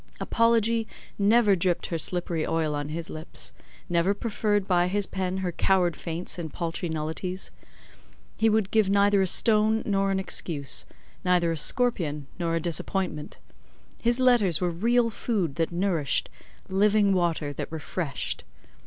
Apology never dropped her slippery oil on his lips—never proffered, by his pen, her coward feints and paltry nullities: he would give neither a stone, nor an excuse—neither a scorpion; nor a disappointment; his letters were real food that nourished, living water that refreshed.